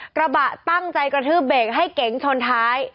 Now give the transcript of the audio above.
กระบะตั้งใจกระทืบเบรกให้เก๋งชนท้าย